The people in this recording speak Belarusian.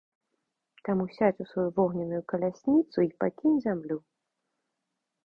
Таму сядзь у сваю вогненную калясніцу й пакінь зямлю!